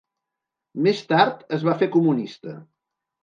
Més tard es va fer comunista.